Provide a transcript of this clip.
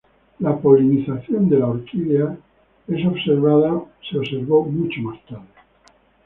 La polinización de la orquídea fue observada mucho más tarde.